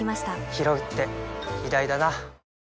ひろうって偉大だな